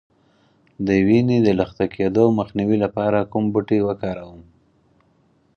د وینې د لخته کیدو مخنیوي لپاره کوم بوټی وکاروم؟